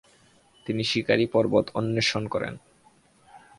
তিনি শিকারি পর্বত অন্বেষণ করেন।